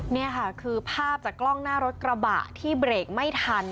นี่ค่ะคือภาพจากกล้องหน้ารถกระบะที่เบรกไม่ทัน